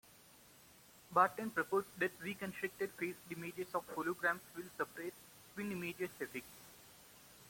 Barton proposed that reconstructed phased images of holograms will suppress twin images effects.